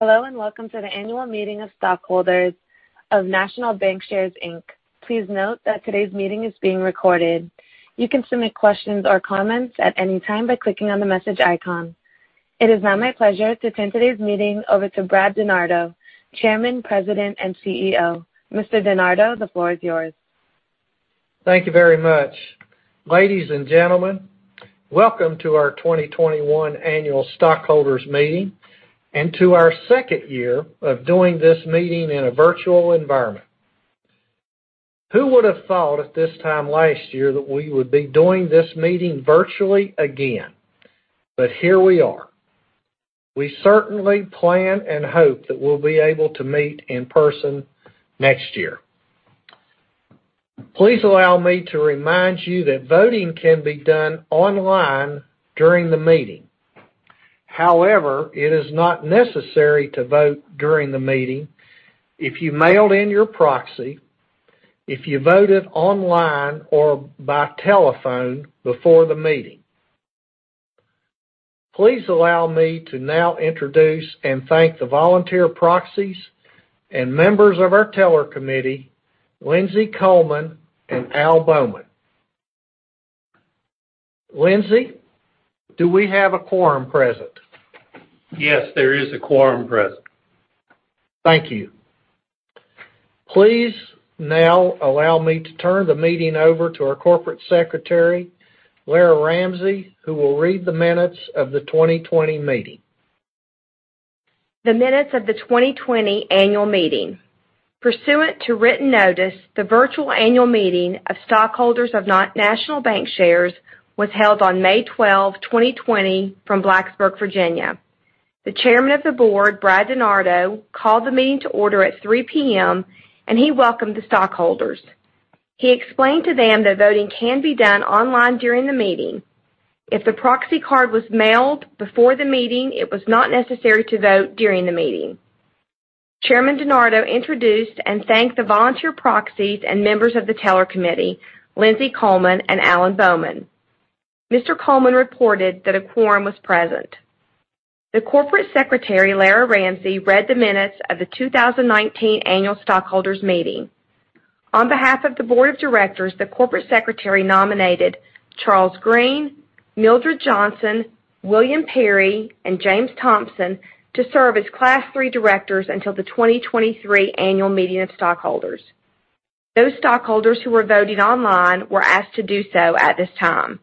Hello, Welcome to the annual meeting of stockholders of National Bankshares, Inc. Please note that today's meeting is being recorded. You can submit questions or comments at any time by clicking on the message icon. It is now my pleasure to turn today's meeting over to Brad Denardo, Chairman, President, and CEO. Mr. Denardo, the floor is yours. Thank you very much. Ladies and gentlemen, Welcome to our 2021 annual stockholders meeting, and to our second year of doing this meeting in a virtual environment. Who would have thought at this time last year that we would be doing this meeting virtually again? Here we are. We certainly plan and hope that we'll be able to meet in person next year. Please allow me to remind you that voting can be done online during the meeting. However, it is not necessary to vote during the meeting if you mailed in your proxy, if you voted online or by telephone before the meeting. Please allow me to now introduce and thank the volunteer proxies and members of our Teller Committee, Lindsay Coleman and Al Bowman. Lindsay, do we have a quorum present? Yes, there is a quorum present. Thank you. Please now allow me to turn the meeting over to our Corporate Secretary, Lara Ramsey, who will read the minutes of the 2020 meeting. The minutes of the 2020 annual meeting. Pursuant to written notice, the virtual annual meeting of stockholders of National Bankshares was held on May 12, 2020 from Blacksburg, Virginia. The Chairman of the Board, Brad Denardo, called the meeting to order at 3:00PM, and he welcomed the stockholders. He explained to them that voting can be done online during the meeting. If the proxy card was mailed before the meeting, it was not necessary to vote during the meeting. Chairman Denardo introduced and thanked the volunteer proxies and members of the teller committee, Lindsay Coleman and Alan Bowman. Mr. Coleman reported that a quorum was present. The Corporate Secretary, Lara Ramsey, read the minutes of the 2019 annual stockholders meeting. On behalf of the board of directors, the corporate secretary nominated Charles Green, Mildred Johnson, William A. Peery, and James Thompson to serve as class III directors until the 2023 annual meeting of stockholders. Those stockholders who were voting online were asked to do so at this time.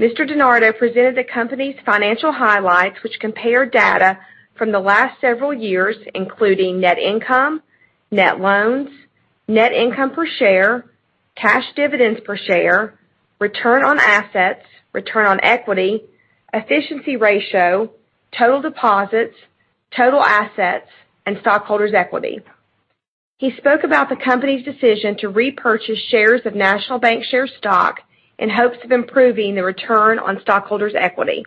Mr. Denardo presented the company's financial highlights, which compared data from the last several years, including net income, net loans, net income per share, cash dividends per share, return on assets, return on equity, efficiency ratio, total deposits, total assets, and stockholders' equity. He spoke about the company's decision to repurchase shares of National Bankshares stock in hopes of improving the return on stockholders' equity.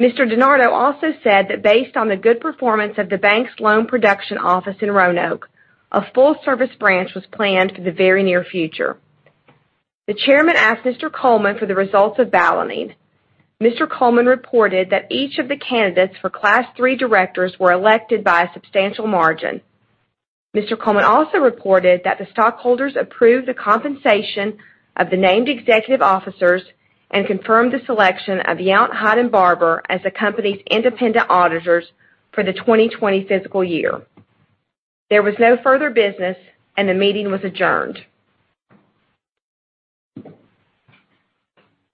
Mr. Denardo also said that based on the good performance of the bank's loan production office in Roanoke, a full-service branch was planned for the very near future. The chairman asked Mr. Coleman for the results of balloting. Mr. Coleman reported that each of the candidates for Class III directors were elected by a substantial margin. Mr. Coleman also reported that the stockholders approved the compensation of the named executive officers and confirmed the selection of Yount, Hyde & Barbour as the company's independent auditors for the 2020 fiscal year. There was no further business and the meeting was adjourned.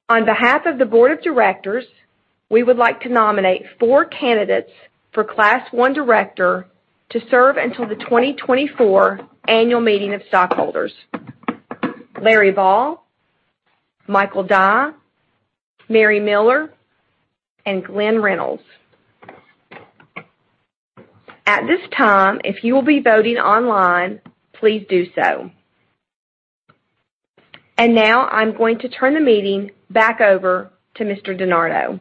On behalf of the board of directors, we would like to nominate four candidates for Class I director to serve until the 2024 annual meeting of stockholders, Larry Ball, Michael Dye, Mary Miller, and Glenn Reynolds. At this time, if you will be voting online, please do so. Now I'm going to turn the meeting back over to Mr. Denardo.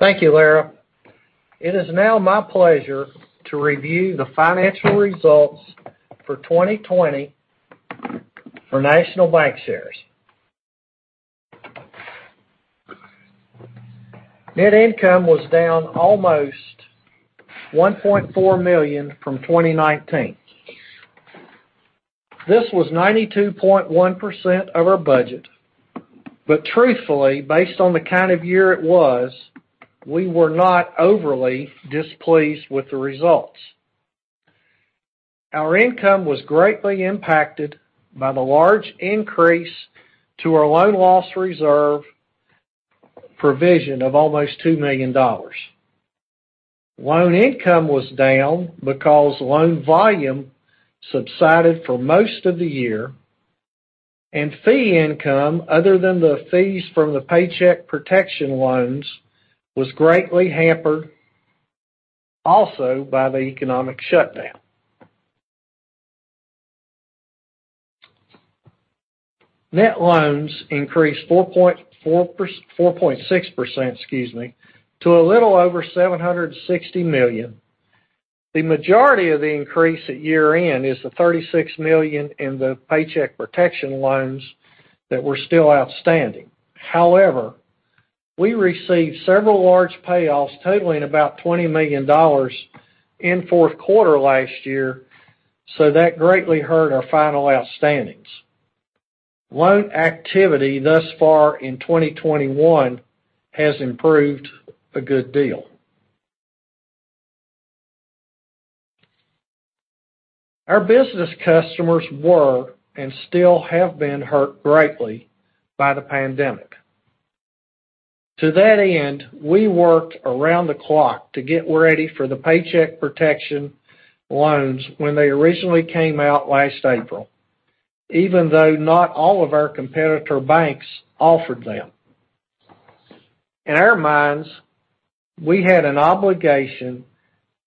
Thank you, Lara. It is now my pleasure to review the financial results for 2020 for National Bankshares. Net income was down almost $1.4 million from 2019. This was 92.1% of our budget, but truthfully, based on the kind of year it was, we were not overly displeased with the results. Our income was greatly impacted by the large increase to our loan loss reserve provision of almost $2 million. Loan income was down because loan volume subsided for most of the year, and fee income, other than the fees from the Paycheck Protection loans, was greatly hampered also by the economic shutdown. Net loans increased 4.6% to a little over $760 million. The majority of the increase at year-end is the $36 million in the Paycheck Protection loans that were still outstanding. However, we received several large payoffs totaling about $20 million in fourth quarter last year, so that greatly hurt our final outstandings. Loan activity thus far in 2021 has improved a good deal. Our business customers were and still have been hurt greatly by the pandemic. To that end, we worked around the clock to get ready for the Paycheck Protection loans when they originally came out last April, even though not all of our competitor banks offered them. In our minds, we had an obligation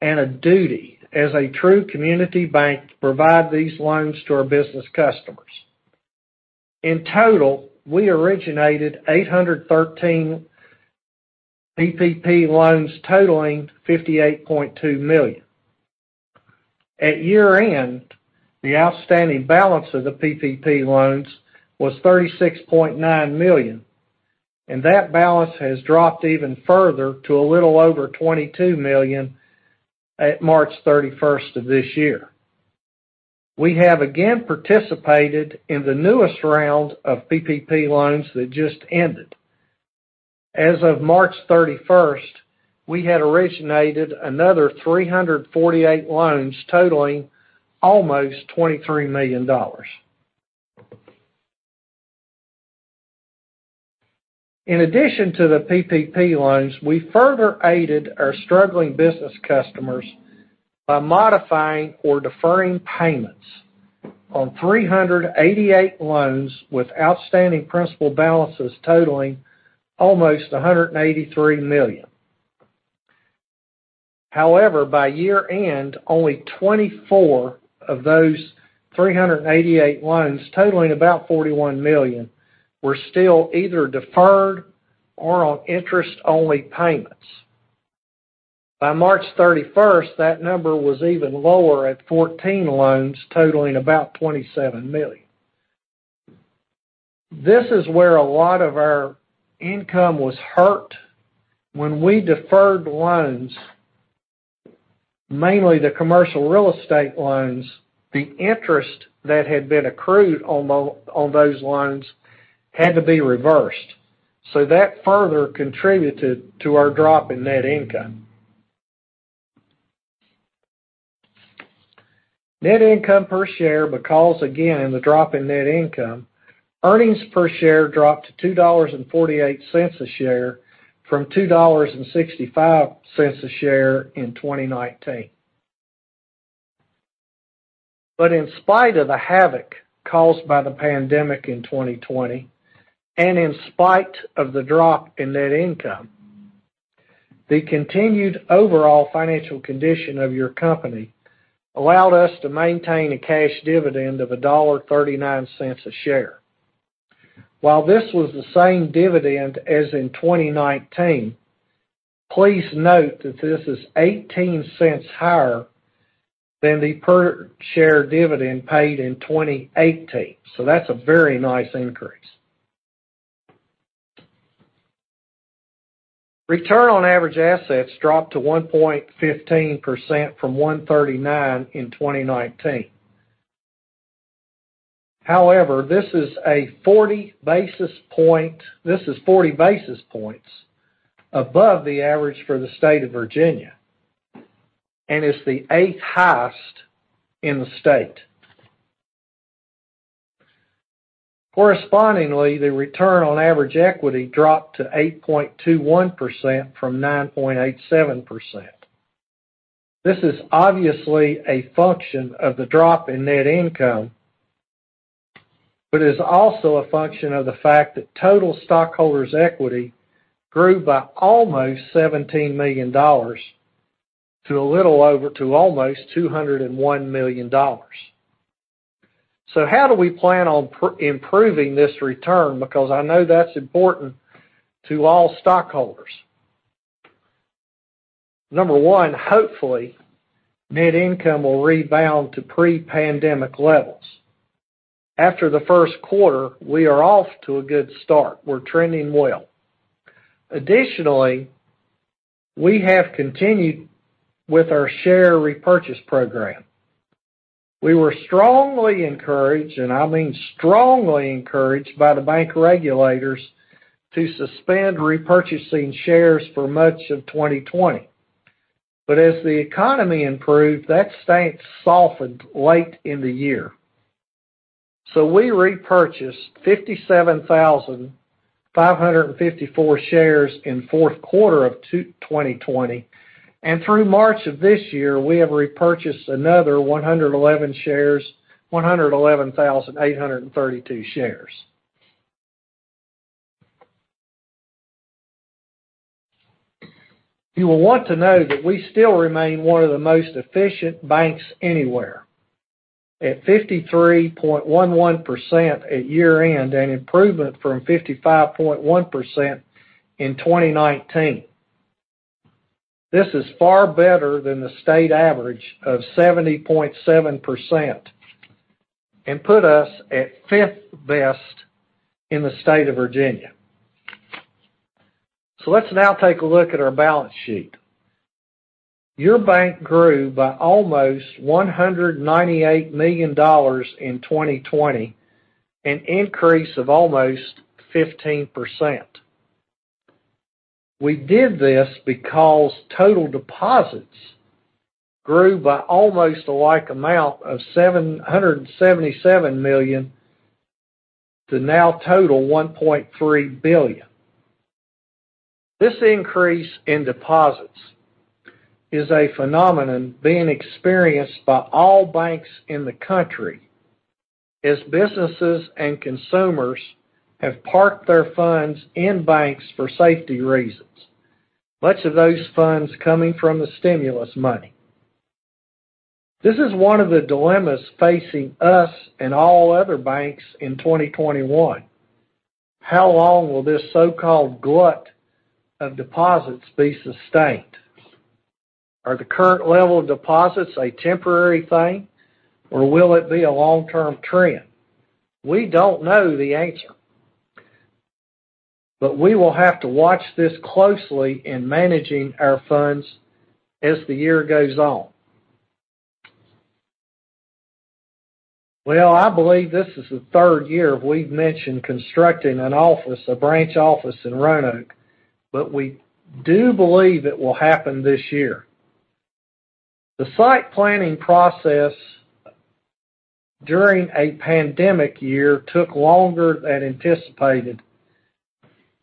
and a duty as a true community bank to provide these loans to our business customers. In total, we originated 813 PPP loans totaling $58.2 million. At year-end, the outstanding balance of the PPP loans was $36.9 million, and that balance has dropped even further to a little over $22 million at March 31st of this year. We have again participated in the newest round of PPP loans that just ended. As of March 31st, we had originated another 348 loans totaling almost $23 million. In addition to the PPP loans, we further aided our struggling business customers by modifying or deferring payments on 388 loans with outstanding principal balances totaling almost $183 million. By year-end, only 24 of those 388 loans, totaling about $41 million, were still either deferred or on interest-only payments. By March 31st, that number was even lower at 14 loans totaling about $27 million. This is where a lot of our income was hurt. When we deferred loans, mainly the commercial real estate loans, the interest that had been accrued on those loans had to be reversed, so that further contributed to our drop in net income. Net income per share, because again, the drop in net income, earnings per share dropped to $2.48 a share from $2.65 a share in 2019. In spite of the havoc caused by the pandemic in 2020, and in spite of the drop in net income, the continued overall financial condition of your company allowed us to maintain a cash dividend of $1.39 a share. While this was the same dividend as in 2019, please note that this is $0.18 higher than the per-share dividend paid in 2018. That's a very nice increase. Return on average assets dropped to 1.15% from 1.39% in 2019. However, this is 40 basis points above the average for the state of Virginia, and it's the eighth highest in the state. Correspondingly, the return on average equity dropped to 8.21% from 9.87%. This is obviously a function of the drop in net income, but is also a function of the fact that total stockholders' equity grew by almost $17 million to a little over to almost $201 million. How do we plan on improving this return? Because I know that's important to all stockholders. Number one, hopefully, net income will rebound to pre-pandemic levels. After the first quarter, we are off to a good start. We're trending well. Additionally, we have continued with our share repurchase program. We were strongly encouraged, and I mean strongly encouraged by the bank regulators to suspend repurchasing shares for much of 2020. As the economy improved, that stance softened late in the year. We repurchased 57,554 shares in fourth quarter of 2020. Through March of this year, we have repurchased another 111,832 shares. You will want to know that we still remain one of the most efficient banks anywhere. At 53.11% at year-end, an improvement from 55.1% in 2019. This is far better than the state average of 70.7% and put us at fifth best in the state of Virginia. Let's now take a look at our balance sheet. Your bank grew by almost $198 million in 2020, an increase of almost 15%. We did this because total deposits grew by almost a like amount of $177 million, to now total $1.3 billion. This increase in deposits is a phenomenon being experienced by all banks in the country, as businesses and consumers have parked their funds in banks for safety reasons, much of those funds coming from the stimulus money. This is one of the dilemmas facing us and all other banks in 2021. How long will this so-called glut of deposits be sustained? Are the current level of deposits a temporary thing, or will it be a long-term trend? We don't know the answer, but we will have to watch this closely in managing our funds as the year goes on. I believe this is the third year we've mentioned constructing a branch office in Roanoke, but we do believe it will happen this year. The site planning process during a pandemic year took longer than anticipated,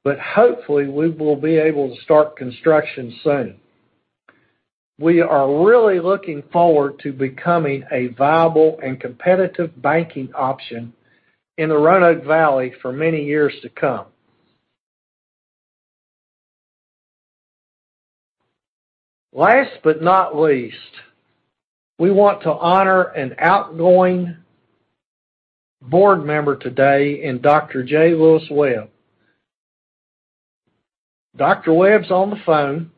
but hopefully, we will be able to start construction soon. We are really looking forward to becoming a viable and competitive banking option in the Roanoke Valley for many years to come. Last but not least, we want to honor an outgoing board member today in Dr. J. Lewis Webb. Dr. Webb's on the phone.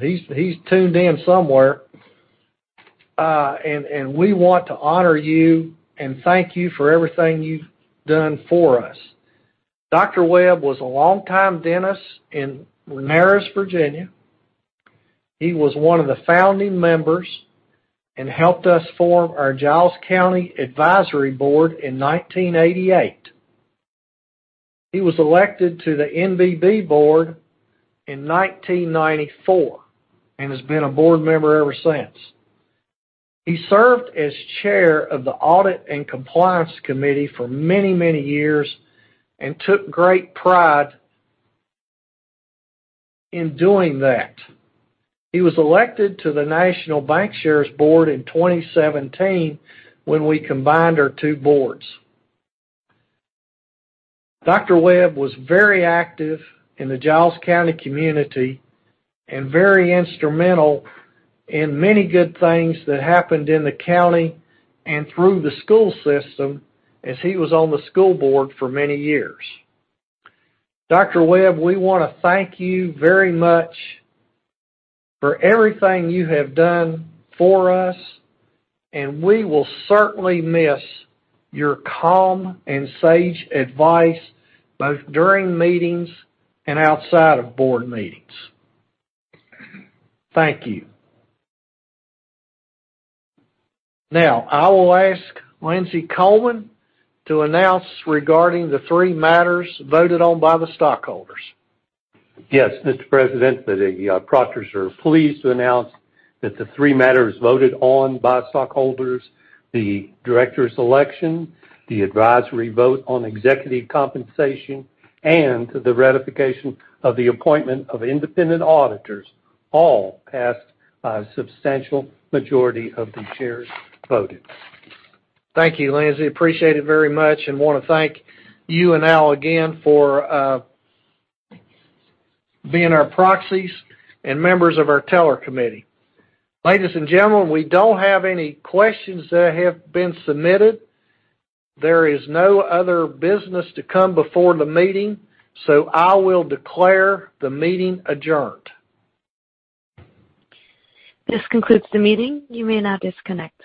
He's tuned in somewhere. We want to honor you and thank you for everything you've done for us. Dr. Webb was a longtime dentist in Pearisburg, Virginia. He was one of the founding members and helped us form our Giles County Advisory Board in 1988. He was elected to the NBB board in 1994 and has been a board member ever since. He served as chair of the Audit and Compliance Committee for many years and took great pride in doing that. He was elected to the National Bankshares Board in 2017 when we combined our two boards. Dr. Webb was very active in the Giles County community and very instrumental in many good things that happened in the county and through the school system, as he was on the school board for many years. Dr. Webb, we want to thank you very much for everything you have done for us, and we will certainly miss your calm and sage advice, both during meetings and outside of board meetings. Thank you. Now, I will ask Lindsay Coleman to announce regarding the three matters voted on by the stockholders. Yes, Mr. President, the proctors are pleased to announce that the three matters voted on by stockholders, the directors' election, the advisory vote on executive compensation, and the ratification of the appointment of independent auditors all passed by a substantial majority of the shares voted. Thank you, Lindsay. Appreciate it very much, and want to thank you and Al again for being our proxies and members of our teller committee. Ladies and gentlemen, we don't have any questions that have been submitted. There is no other business to come before the meeting, so I will declare the meeting adjourned. This concludes the meeting. You may now disconnect.